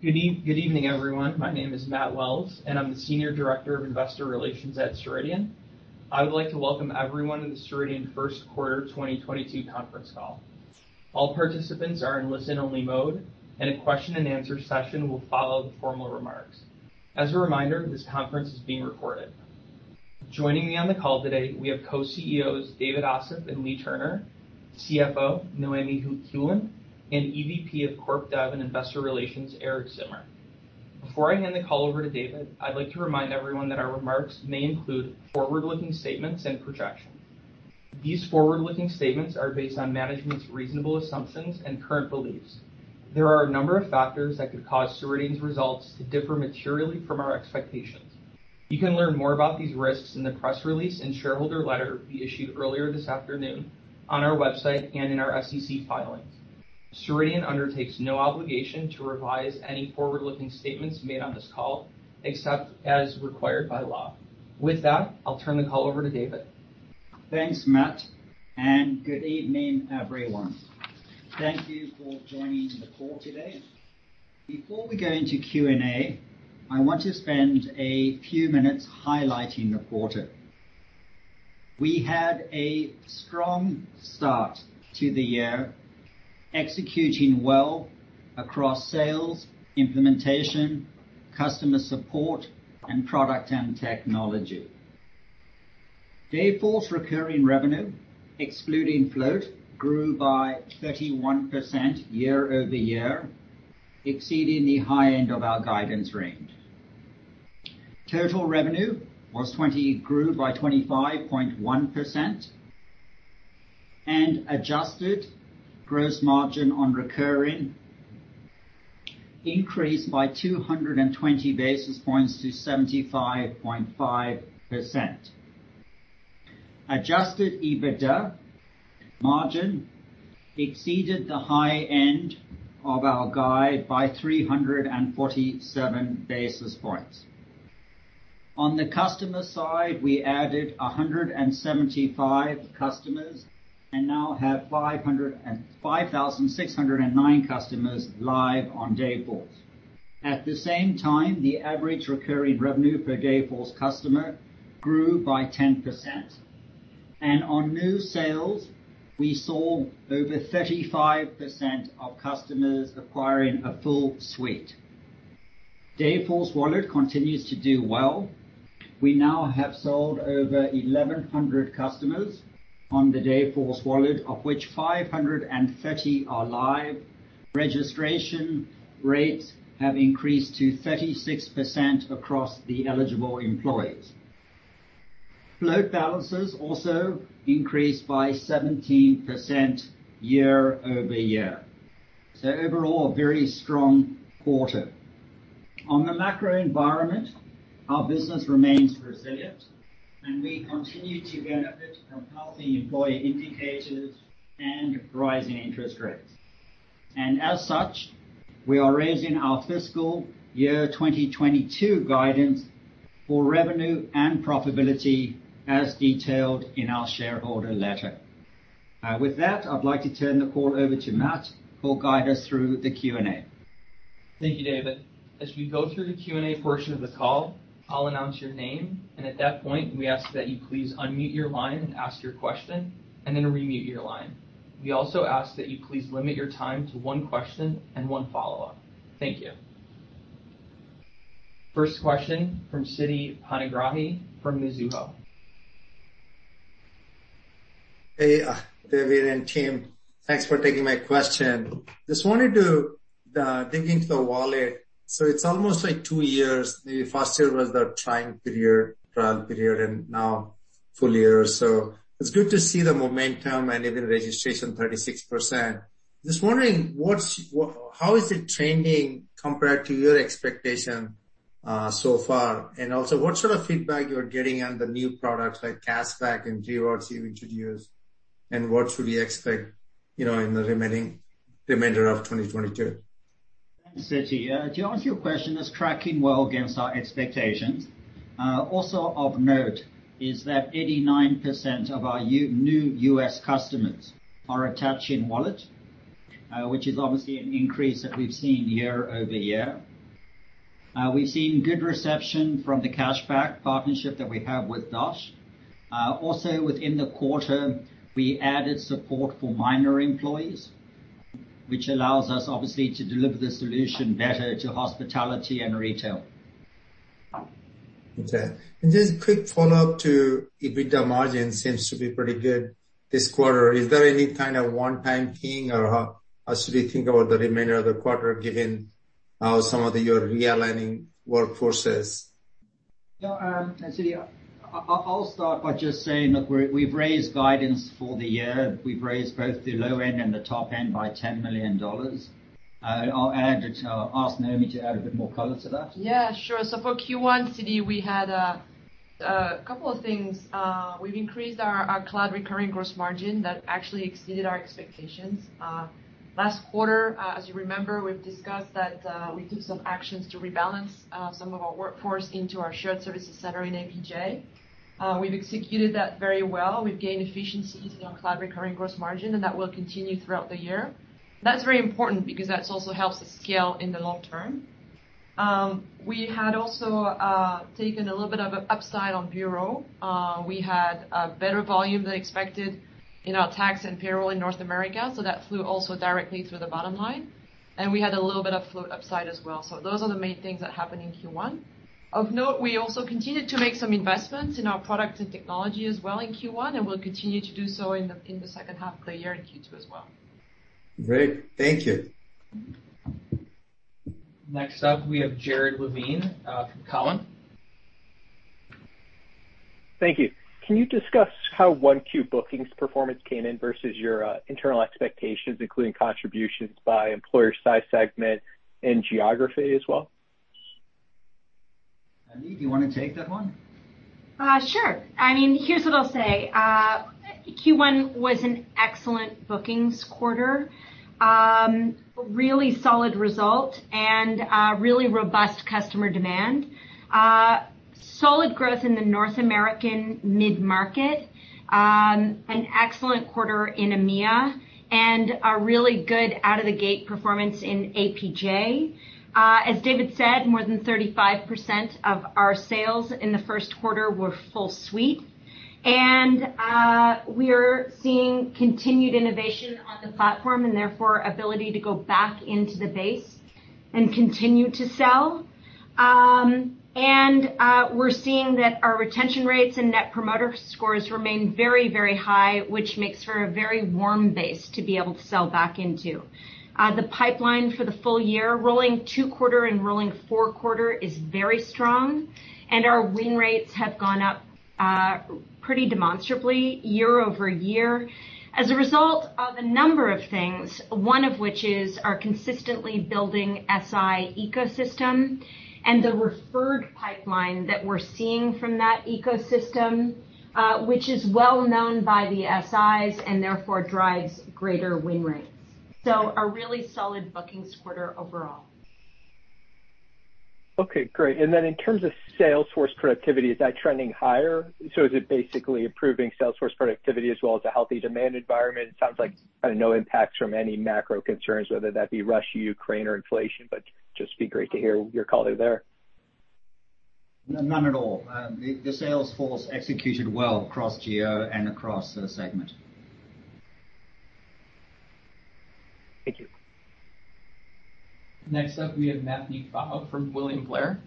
Good evening, everyone. My name is Matt Wells, and I'm the Senior Director of Investor Relations at Ceridian. I would like to welcome everyone to the Ceridian First Quarter 2022 conference call. All participants are in listen-only mode, and a question and answer session will follow the formal remarks. As a reminder, this conference is being recorded. Joining me on the call today, we have Co-CEOs David Ossip and Leagh Turner, CFO Noémie Heuland, and EVP of Corp Dev and Investor Relations, Erik Zimmer. Before I hand the call over to David, I'd like to remind everyone that our remarks may include forward-looking statements and projections. These forward-looking statements are based on management's reasonable assumptions and current beliefs. There are a number of factors that could cause Ceridian's results to differ materially from our expectations. You can learn more about these risks in the press release and shareholder letter we issued earlier this afternoon on our website and in our SEC filings. Ceridian undertakes no obligation to revise any forward-looking statements made on this call, except as required by law. With that, I'll turn the call over to David. Thanks, Matt, and good evening, everyone. Thank you for joining the call today. Before we go into Q&A, I want to spend a few minutes highlighting the quarter. We had a strong start to the year, executing well across sales, implementation, customer support, and product and technology. Dayforce recurring revenue, excluding float, grew by 31% year-over-year, exceeding the high end of our guidance range. Total revenue grew by 25.1%, and adjusted gross margin on recurring increased by 220 basis points to 75.5%. Adjusted EBITDA margin exceeded the high end of our guide by 347 basis points. On the customer side, we added 175 customers and now have 5,609 customers live on Dayforce. At the same time, the average recurring revenue per Dayforce customer grew by 10%. On new sales, we saw over 35% of customers acquiring a full suite. Dayforce Wallet continues to do well. We now have sold over 1,100 customers on the Dayforce Wallet, of which 530 are live. Registration rates have increased to 36% across the eligible employees. Float balances also increased by 17% year over year. Overall, a very strong quarter. On the macro environment, our business remains resilient, and we continue to benefit from healthy employee indicators and rising interest rates. As such, we are raising our fiscal year 2022 guidance for revenue and profitability as detailed in our shareholder letter. With that, I'd like to turn the call over to Matt, who'll guide us through the Q&A. Thank you, David. As we go through the Q&A portion of the call, I'll announce your name, and at that point, we ask that you please unmute your line and ask your question and then remute your line. We also ask that you please limit your time to one question and one follow-up. Thank you. First question from Siti Panigrahi from Mizuho. Hey, David and team. Thanks for taking my question. Just wanted to dig into the Wallet. It's almost like two years. The first year was the trying period, trial period, and now full year. It's good to see the momentum and even registration 36%. Just wondering how it is trending compared to your expectation, so far? And also, what sort of feedback you're getting on the new products like Cashback and Rewards you introduced, and what should we expect, you know, in the remainder of 2022? Thanks, Siti. To answer your question, it's tracking well against our expectations. Also of note is that 89% of our new US customers are attaching Wallet, which is obviously an increase that we've seen year-over-year. We've seen good reception from the cash back partnership that we have with Dosh. Also within the quarter, we added support for minor employees, which allows us obviously to deliver the solution better to hospitality and retail. Okay. Just quick follow-up to EBITDA margin seems to be pretty good this quarter. Is there any kind of one-time thing or how should we think about the remainder of the quarter, given how some of the you're realigning workforces? No, Siti, I'll start by just saying, look, we've raised guidance for the year. We've raised both the low end and the top end by $10 million. I'll ask Noémie to add a bit more color to that. Yeah, sure. For Q1, Siti, we had a couple of things. We've increased our cloud recurring gross margin. That actually exceeded our expectations. Last quarter, as you remember, we've discussed that we took some actions to rebalance some of our workforce into our shared services center in APJ. We've executed that very well. We've gained efficiencies in our cloud recurring gross margin, and that will continue throughout the year. That's very important because that also helps us scale in the long term. We had also taken a little bit of a upside on Euro. We had a better volume than expected in our tax and payroll in North America, so that flowed also directly through the bottom line. We had a little bit of float upside as well. Those are the main things that happened in Q1. Of note, we also continued to make some investments in our product and technology as well in Q1, and we'll continue to do so in the second half of the year in Q2 as well. Great. Thank you. Next up, we have Jared Levine from Cowen. Thank you. Can you discuss how Q1 bookings performance came in versus your internal expectations, including contributions by employer size, segment, and geography as well? Leagh, do you wanna take that one? Sure. I mean, here's what I'll say. Q1 was an excellent bookings quarter. Really solid result and really robust customer demand. Solid growth in the North American mid-market. An excellent quarter in EMEA, and a really good out of the gate performance in APJ. As David said, more than 35% of our sales in the first quarter were full suite. We're seeing continued innovation on the platform, and therefore, ability to go back into the base and continue to sell. We're seeing that our retention rates and Net Promoter Score remain very, very high, which makes for a very warm base to be able to sell back into. The pipeline for the full year, rolling 2-quarter and rolling 4-quarter is very strong, and our win rates have gone up pretty demonstrably year-over-year as a result of a number of things. One of which is our consistently building SI ecosystem and the referred pipeline that we're seeing from that ecosystem, which is well-known by the SIs, and therefore drives greater win rates. A really solid bookings quarter overall. Okay, great. In terms of sales force productivity, is that trending higher? Is it basically improving sales force productivity as well as a healthy demand environment? It sounds like kinda no impacts from any macro concerns, whether that be Russia, Ukraine or inflation, but just be great to hear your color there. None at all. The sales force executed well across geo and across the segment. Thank you. Next up, we have Matthew Pfau from William Blair.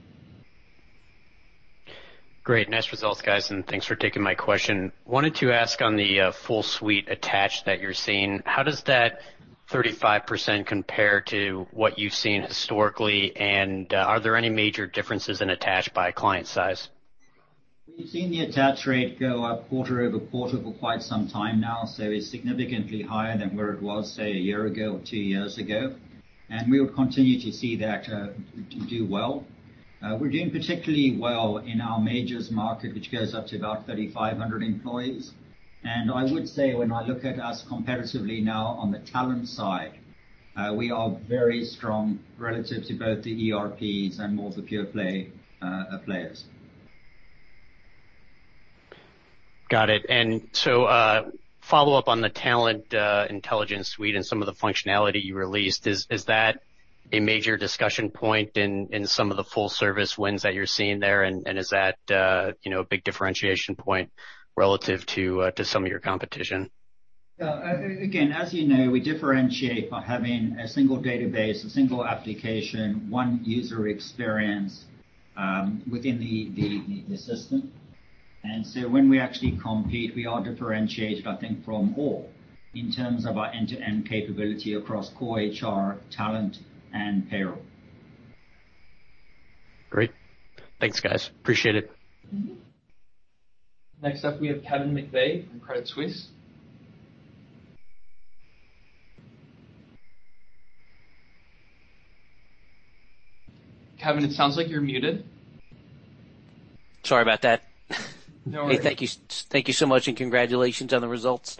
Great. Nice results, guys, and thanks for taking my question. Wanted to ask on the full suite attach that you're seeing, how does that 35% compare to what you've seen historically? Are there any major differences in attach by client size? We've seen the attach rate go up quarter-over-quarter for quite some time now, so it's significantly higher than where it was, say, a year ago or two years ago. We will continue to see that do well. We're doing particularly well in our mid-market, which goes up to about 3,500 employees. I would say when I look at us comparatively now on the talent side, we are very strong relative to both the ERPs and more the pure play players. Got it. Follow up on the Dayforce Talent Intelligence and some of the functionality you released. Is that a major discussion point in some of the full service wins that you're seeing there? Is that you know, a big differentiation point relative to some of your competition? Yeah. Again, as you know, we differentiate by having a single database, a single application, one user experience within the system. When we actually compete, we are dd, I think, from all in terms of our end-to-end capability across core HR, talent, and payroll. Great. Thanks, guys. Appreciate it. Mm-hmm. Next up, we have Kevin McVeigh from Credit Suisse. Kevin, it sounds like you're muted. Sorry about that. No worries. Hey, thank you so much, and congratulations on the results.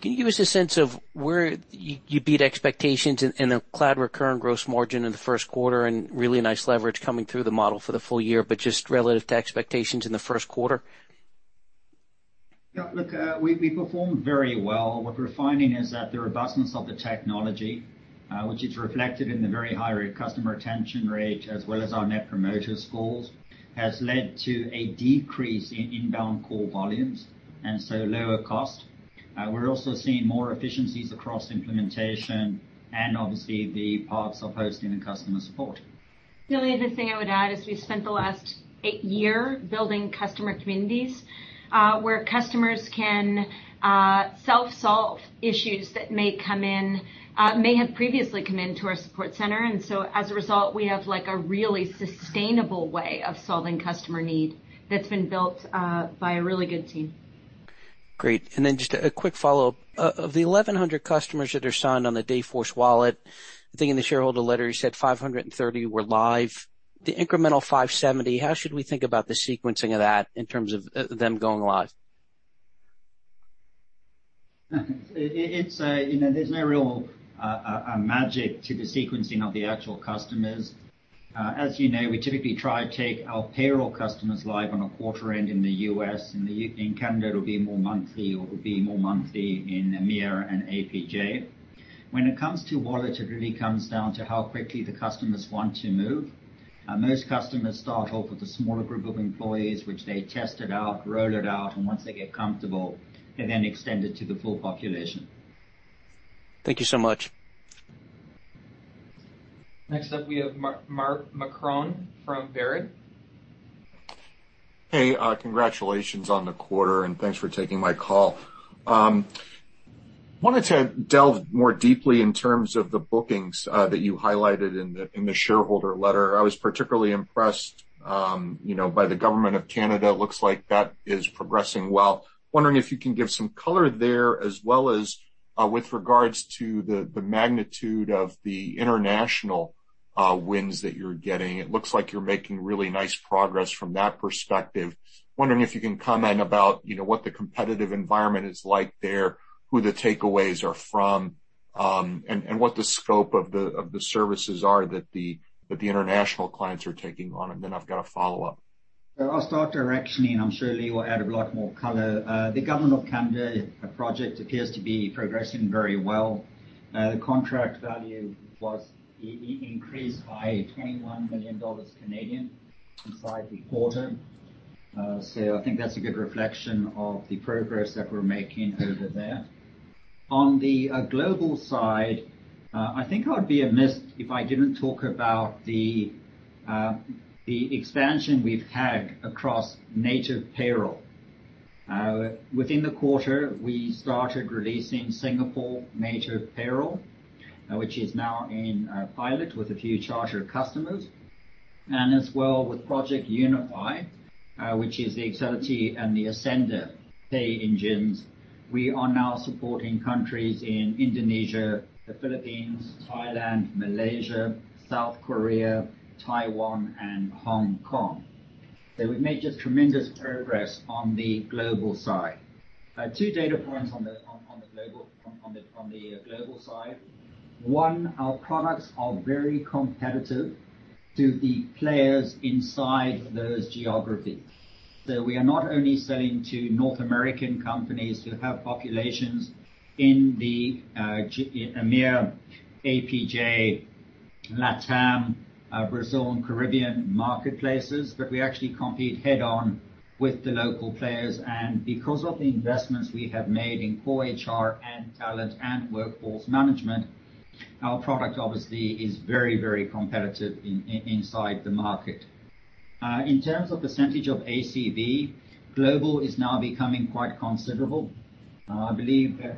Can you give us a sense of where you beat expectations in the cloud recurring gross margin in the first quarter and really nice leverage coming through the model for the full year, but just relative to expectations in the first quarter? Yeah. Look, we performed very well. What we're finding is that the robustness of the technology, which is reflected in the very high customer retention rate as well as our Net Promoter Score, has led to a decrease in inbound call volumes, and so lower cost. We're also seeing more efficiencies across implementation and obviously the parts of hosting and customer support. The only other thing I would add is we spent the last eight years building customer communities, where customers can self-solve issues that may have previously come into our support center. As a result, we have, like, a really sustainable way of solving customer need that's been built by a really good team. Great. Just a quick follow-up. Of the 1,100 customers that are signed on the Dayforce Wallet, I think in the shareholder letter you said 530 were live. The incremental 570, how should we think about the sequencing of that in terms of them going live? It's you know, there's no real magic to the sequencing of the actual customers. As you know, we typically try to take our payroll customers live on a quarter end in the US. In the UK and Canada, it'll be more monthly in EMEA and APJ. When it comes to wallet, it really comes down to how quickly the customers want to move. Most customers start off with a smaller group of employees, which they test it out, roll it out, and once they get comfortable, they then extend it to the full population. Thank you so much. Next up, we have Mark Marcon from Baird. Hey, congratulations on the quarter, and thanks for taking my call. Wanted to delve more deeply in terms of the bookings that you highlighted in the shareholder letter. I was particularly impressed, you know, by the Government of Canada. Looks like that is progressing well. Wondering if you can give some color there, as well as with regards to the magnitude of the international wins that you're getting. It looks like you're making really nice progress from that perspective. Wondering if you can comment about, you know, what the competitive environment is like there, who the takeaways are from, and what the scope of the services are that the international clients are taking on. I've got a follow-up. I'll start directionally, and I'm sure Leagh will add a lot more color. The Government of Canada project appears to be progressing very well. The contract value was increased by 21 million Canadian dollars inside the quarter. I think that's a good reflection of the progress that we're making over there. On the global side, I think I would be amiss if I didn't talk about the expansion we've had across native payroll. Within the quarter, we started releasing Singapore native payroll, which is now in pilot with a few charter customers. As well with Project Unify, which is the Excelity and the Ascender pay engines, we are now supporting countries in Indonesia, the Philippines, Thailand, Malaysia, South Korea, Taiwan, and Hong Kong. We've made just tremendous progress on the global side. Two data points on the global side. One, our products are very competitive to the players inside those geographies. So we are not only selling to North American companies who have populations in the EMEA, APJ, LATAM, Brazil, and Caribbean marketplaces, but we actually compete head-on with the local players. Because of the investments we have made in core HR and talent and workforce management, our product obviously is very, very competitive inside the market. In terms of percentage of ACV, global is now becoming quite considerable. I believe that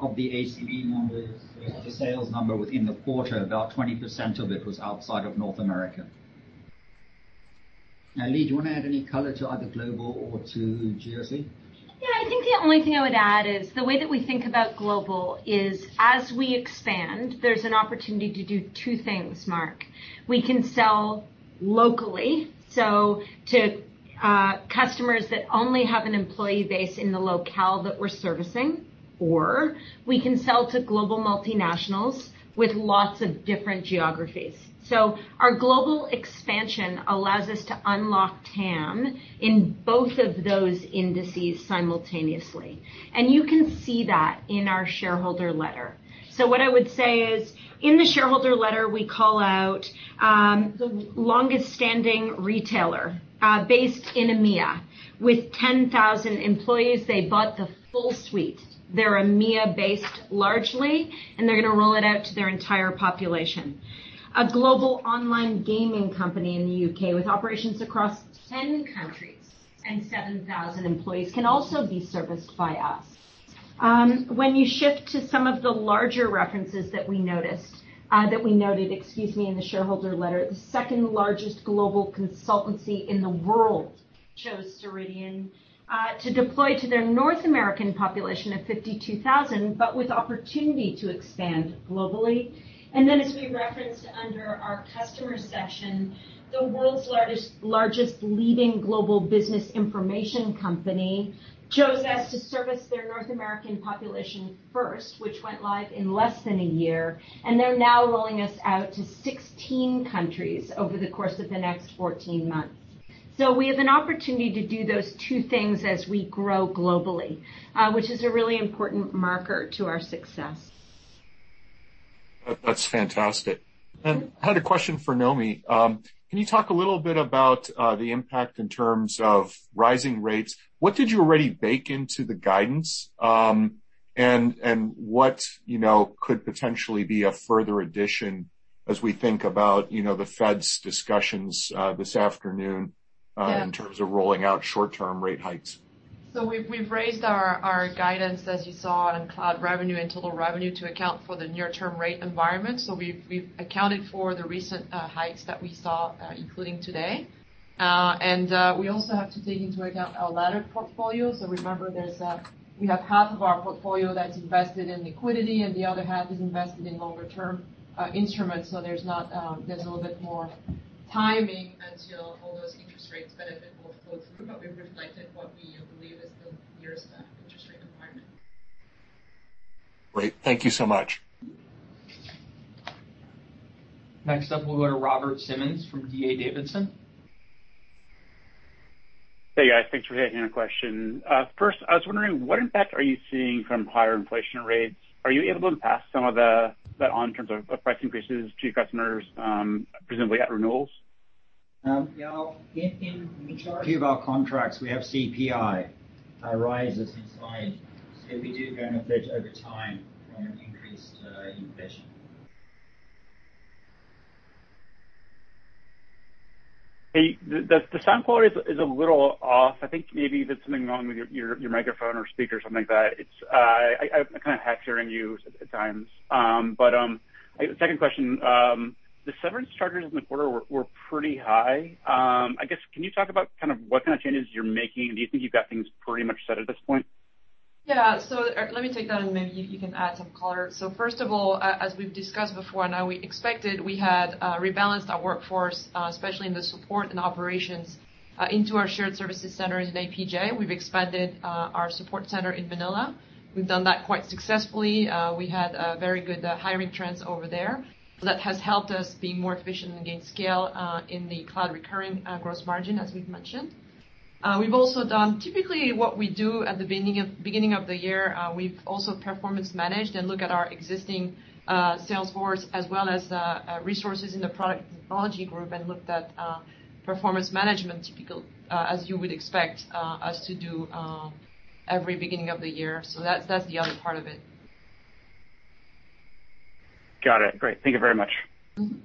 of the ACV numbers, the sales number within the quarter, about 20% of it was outside of North America. Now, Lee, do you want to add any color to either global or to GOC? Yeah. I think the only thing I would add is the way that we think about global is, as we expand, there's an opportunity to do two things, Mark. We can sell locally, so to customers that only have an employee base in the locale that we're servicing, or we can sell to global multinationals with lots of different geographies. Our global expansion allows us to unlock TAM in both of those indices simultaneously. You can see that in our shareholder letter. What I would say is, in the shareholder letter, we call out the longest standing retailer based in EMEA. With 10,000 employees, they bought the full suite. They're EMEA based largely, and they're gonna roll it out to their entire population. A global online gaming company in the UK with operations across 10 countries and 7,000 employees can also be serviced by us. When you shift to some of the larger references that we noted in the shareholder letter, the second-largest global consultancy in the world chose Ceridian to deploy to their North American population of 52,000, but with opportunity to expand globally. As we referenced under our customer section, the world's largest leading global business information company chose us to service their North American population first, which went live in less than a year, and they're now rolling us out to 16 countries over the course of the next 14 months. We have an opportunity to do those two things as we grow globally, which is a really important marker to our success. That's fantastic. I had a question for Noémie. Can you talk a little bit about the impact in terms of rising rates? What did you already bake into the guidance? What, you know, could potentially be a further addition as we think about, you know, the Fed's discussions this afternoon? Yeah. In terms of rolling out short-term rate hikes? We've raised our guidance, as you saw on cloud revenue and total revenue, to account for the near-term rate environment. We've accounted for the recent hikes that we saw, including today. We also have to take into account our laddered portfolio. Remember, we have half of our portfolio that's invested in liquidity, and the other half is invested in longer-term instruments. There's a little bit more timing until all those interest rates benefit will flow through, but we've reflected what we believe is the near-term interest rate environment. Great. Thank you so much. Mm-hmm. Next up, we'll go to Robert Simmons from D.A. Davidson. Hey guys, thanks for taking a question. First, I was wondering what impact are you seeing from higher inflation rates? Are you able to pass some of that on in terms of price increases to your customers, presumably at renewals? Yeah, in a few of our contracts we have CPI rises inside, so we do benefit over time from an increased inflation. Hey, the sound quality is a little off. I think maybe there's something wrong with your microphone or speaker or something like that. I've been kinda having a hard time hearing you at times. Second question. The severance charges in the quarter were pretty high. I guess, can you talk about kind of what kind of changes you're making? Do you think you've got things pretty much set at this point? Let me take that, and maybe you can add some color. First of all, as we've discussed before, now, as we expected, we had rebalanced our workforce, especially in the support and operations, into our shared services centers in APJ. We've expanded our support center in Manila. We've done that quite successfully. We had very good hiring trends over there. That has helped us be more efficient and gain scale in the cloud recurring gross margin, as we've mentioned. We've also done. Typically what we do at the beginning of the year, we've also performance managed and look at our existing sales force as well as resources in the product technology group and looked at performance management typical as you would expect us to do every beginning of the year. That's the other part of it. Got it. Great. Thank you very much. Mm-hmm.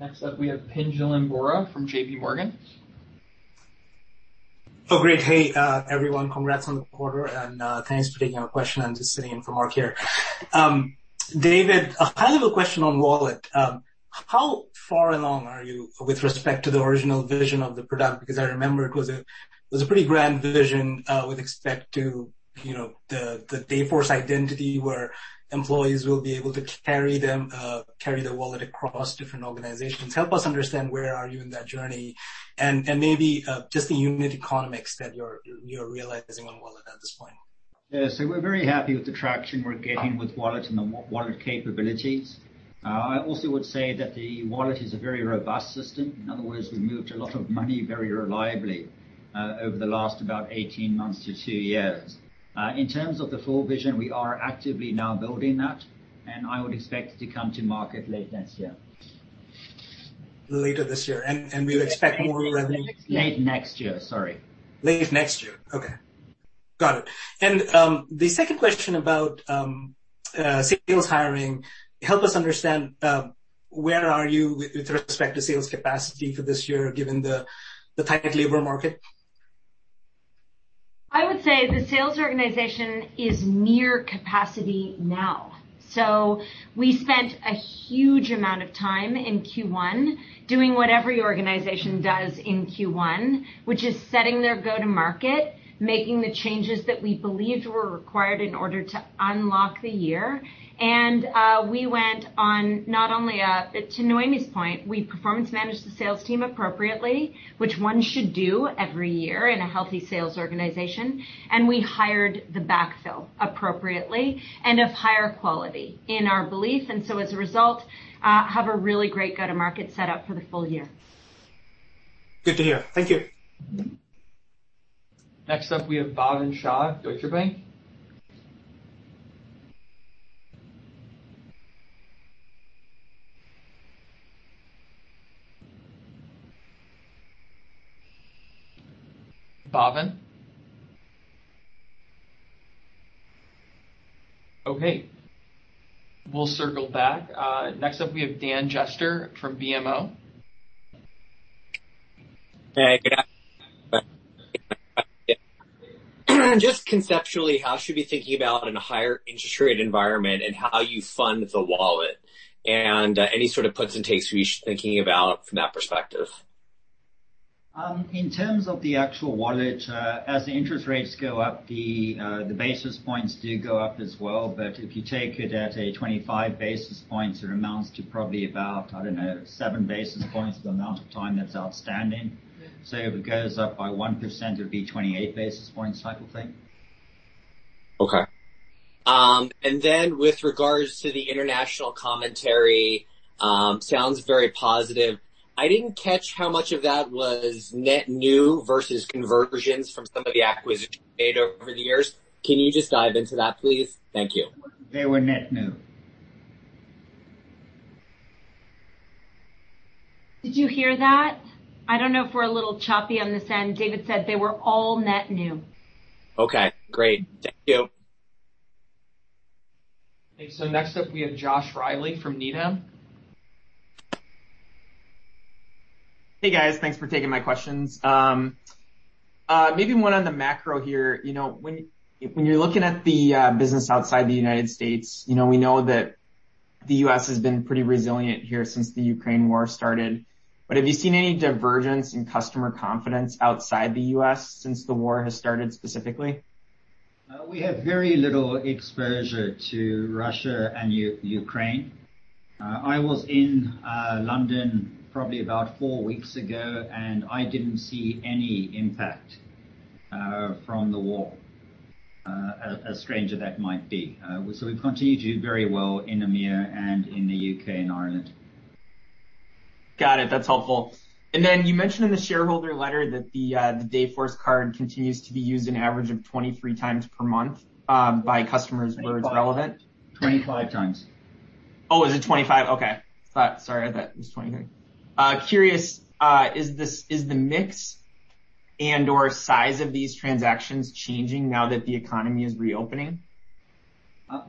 Next up we have Pinjalim Bora from JP Morgan. Oh, great. Hey, everyone. Congrats on the quarter and thanks for taking our question. I'm just sitting in for Mark here. David, I have a question on Wallet. How far along are you with respect to the original vision of the product? Because I remember it was a pretty grand vision with respect to, you know, the Dayforce Identity where employees will be able to carry their wallet across different organizations. Help us understand where you are in that journey and maybe just the unit economics that you're realizing on Wallet at this point. Yeah. We're very happy with the traction we're getting with Wallet and the Wallet capabilities. I also would say that the Wallet is a very robust system. In other words, we've moved a lot of money very reliably over the last about 18 months to 2 years. In terms of the full vision, we are actively now building that, and I would expect it to come to market late next year. Later this year. We'll expect more revenue. Late next year. Sorry. Late next year. Okay. Got it. The second question about sales hiring. Help us understand where you are with respect to sales capacity for this year given the tight labor market? I would say the sales organization is near capacity now. We spent a huge amount of time in Q1 doing what every organization does in Q1, which is setting their go-to-market, making the changes that we believed were required in order to unlock the year. To Noémie's point, we performance managed the sales team appropriately, which one should do every year in a healthy sales organization, and we hired the backfill appropriately and of higher quality in our belief, and so as a result, have a really great go-to-market set up for the full year. Good to hear. Thank you. Mm-hmm. Next up we have Bhavin Shah, Deutsche Bank. Bhavin? Okay. We'll circle back. Next up we have Dan Jester from BMO. Hey, good afternoon. Just conceptually, how should we be thinking about in a higher interest rate environment and how you fund the Wallet? Any sort of puts and takes we thinking about from that perspective? In terms of the actual Wallet, as the interest rates go up, the basis points do go up as well. If you take it at a 25 basis points, it amounts to probably about, I don't know, 7 basis points the amount of time that's outstanding. If it goes up by 1%, it would be 28 basis points type of thing. Okay. With regards to the international commentary, sounds very positive. I didn't catch how much of that was net new versus conversions from some of the acquisitions you made over the years. Can you just dive into that, please? Thank you. They were net new. Did you hear that? I don't know if we're a little choppy on this end. David said they were all net new. Okay, great. Thank you. Okay, next up we have Josh Reilly from Needham. Hey, guys. Thanks for taking my questions. Maybe one on the macro here. You know, when you're looking at the business outside the United States, you know, we know that the US has been pretty resilient here since the Ukraine war started. Have you seen any divergence in customer confidence outside the US since the war has started, specifically? We have very little exposure to Russia and Ukraine. I was in London probably about four weeks ago, and I didn't see any impact from the war. As strange as that might be. We've continued to do very well in EMEA and in the UK and Ireland. Got it. That's helpful. You mentioned in the shareholder letter that the Dayforce card continues to be used an average of 23 times per month by customers. Twenty-five. Where it's relevant. 25 times. Oh, is it 25? Okay. Sorry, I thought it was 23. Curious, is the mix and/or size of these transactions changing now that the economy is reopening?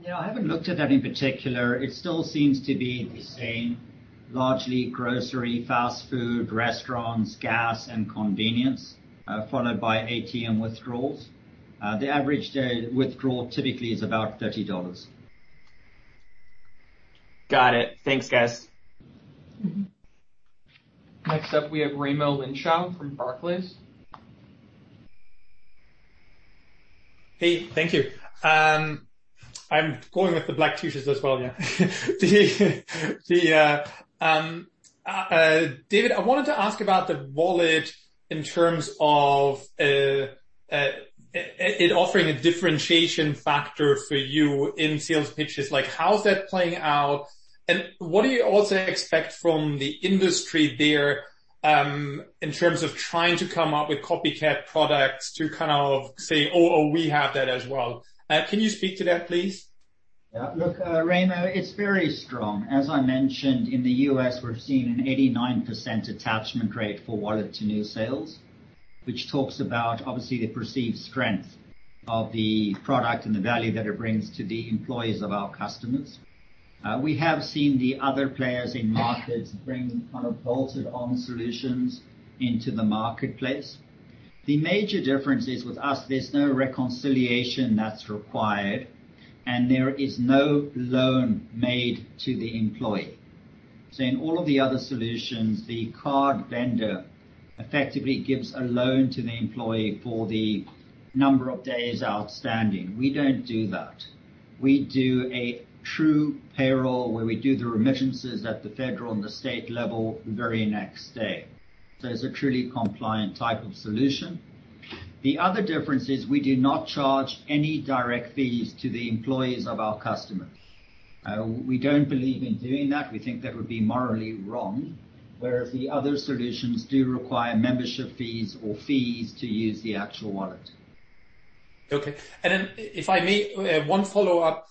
You know, I haven't looked at that in particular. It still seems to be the same. Largely grocery, fast food, restaurants, gas, and convenience, followed by ATM withdrawals. The average day withdrawal typically is about $30. Got it. Thanks, guys. Mm-hmm. Next up, we have Raimo Lenschow from Barclays. Hey, thank you. I'm going with the black T-shirts as well, yeah. David, I wanted to ask about the wallet in terms of it offering a differentiation factor for you in sales pitches. Like, how's that playing out? What do you also expect from the industry there in terms of trying to come up with copycat products to kind of say, "Oh, we have that as well." Can you speak to that, please? Yeah. Look, Raimo, it's very strong. As I mentioned, in the U.S., we're seeing an 89% attachment rate for wallet to new sales, which talks about, obviously, the perceived strength of the product and the value that it brings to the employees of our customers. We have seen the other players in markets bring kind of bolted-on solutions into the marketplace. The major difference is, with us, there's no reconciliation that's required, and there is no loan made to the employee. In all of the other solutions, the card vendor effectively gives a loan to the employee for the number of days outstanding. We don't do that. We do a true payroll where we do the remittances at the federal and the state level the very next day. It's a truly compliant type of solution. The other difference is we do not charge any direct fees to the employees of our customer. We don't believe in doing that. We think that would be morally wrong, whereas the other solutions do require membership fees or fees to use the actual wallet. Okay. If I may, one follow-up.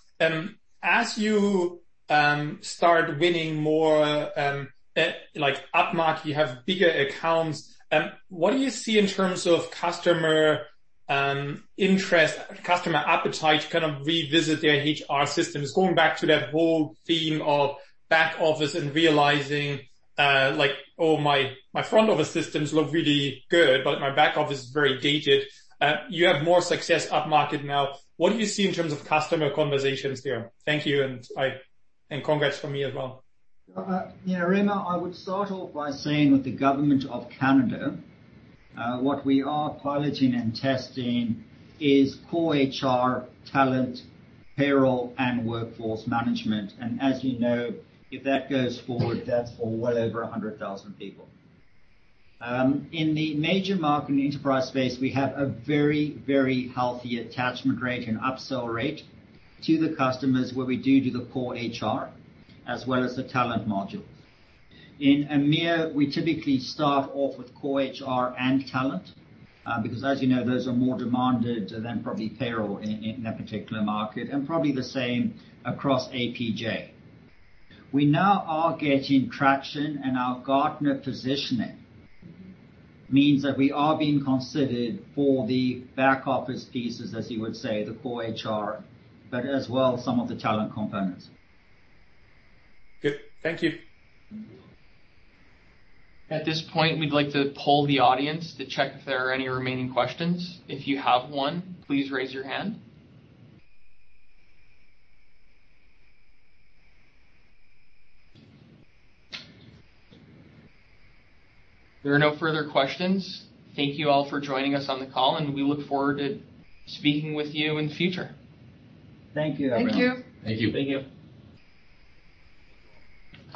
As you start winning more, like upmarket, you have bigger accounts, what do you see in terms of customer interest, customer appetite to kind of revisit their HR systems? Going back to that whole theme of back office and realizing, like, "Oh, my front office systems look really good, but my back office is very dated." You have more success upmarket now. What do you see in terms of customer conversations there? Thank you, and congrats from me as well. You know, Raimo, I would start off by saying with the Government of Canada, what we are piloting and testing is core HR, talent, payroll, and workforce management. As you know, if that goes forward, that's for well over 100,000 people. In the major market and enterprise space, we have a very, very healthy attachment rate and upsell rate to the customers where we do the core HR as well as the talent module. In EMEA, we typically start off with core HR and talent, because as you know, those are more demanded than probably payroll in that particular market, and probably the same across APJ. We now are getting traction and our Gartner positioning means that we are being considered for the back office pieces, as you would say, the core HR, but as well, some of the talent components. Good. Thank you. At this point, we'd like to poll the audience to check if there are any remaining questions. If you have one, please raise your hand. There are no further questions. Thank you all for joining us on the call, and we look forward to speaking with you in the future. Thank you, everyone. Thank you. Thank you. Thank you.